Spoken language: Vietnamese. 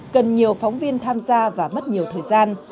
cần nhiều phóng viên tham gia và mất nhiều thời gian